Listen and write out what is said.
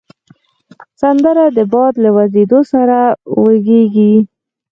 سندره د باد له وزېدو سره وږیږي